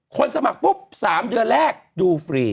สมัครปุ๊บ๓เดือนแรกดูฟรี